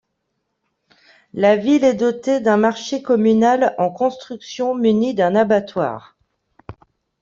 La ville est doptée d'un marche communal en construction muni d'un abattoir.